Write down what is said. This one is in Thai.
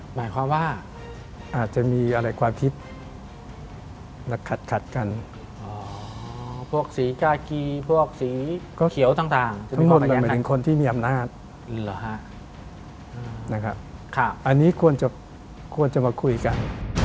หมายความว่าอาจจะมีอะไรความคิดและขัดกันพวกสีกากีพวกสีเขียวต่างหมายถึงคนที่มีอำนาจเหรอฮะนะครับอันนี้ควรจะควรจะมาคุยกัน